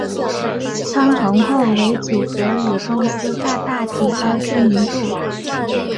窜红后为组合与公司大大提高知名度。